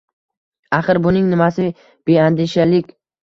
— axir, buning nimasi beandishalik?